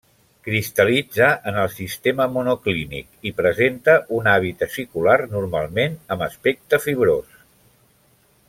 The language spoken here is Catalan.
Cristal·litza en el sistema monoclínic i presenta un hàbit acicular, normalment amb aspecte fibrós.